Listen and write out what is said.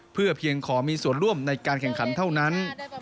เพื่อเพียงขอมีส่วนร่วมในการแข่งขันเท่านั้น